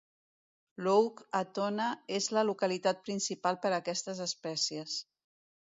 Lough Atona és la localitat principal per a aquestes espècies.